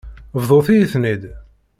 Bḍut-iyi-ten-id.